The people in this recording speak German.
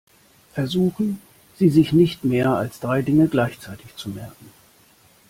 Versuchen Sie sich nicht mehr als drei Dinge gleichzeitig zu merken.